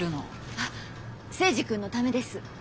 あっ征二君のためです。